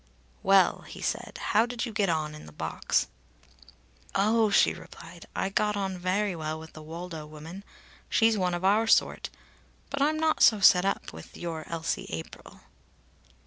"Well," he said. "How did you get on in the box?" "Oh!" she replied, "I got on very well with the Woldo woman. She's one of our sort. But I'm not so set up with your Elsie April."